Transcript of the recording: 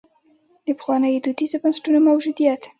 د پخوانیو دودیزو بنسټونو موجودیت.